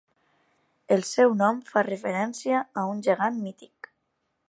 El seu nom fa referència a un gegant mític.